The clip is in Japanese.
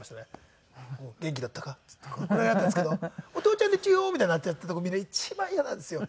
「元気だったか？」って言ってこれだったんですけど「お父ちゃんでちゅよ」みたいなのやっているとこ見られるの一番嫌なんですよ。